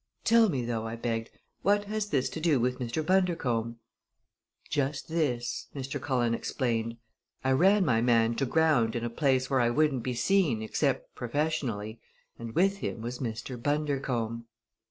"Tell me, though," I begged, "what this has to do with Mr. Bundercombe?" "Just this," Mr. Cullen explained: "I ran my man to ground in a place where I wouldn't be seen except professionally and with him was Mr. Bundercombe."